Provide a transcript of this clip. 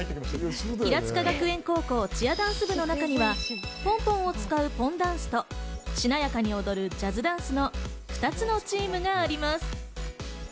平塚学園高校チアダンス部の中にはポンポンを使うポンダンスとしなやかに踊るジャズダンスの２つのチームがあります。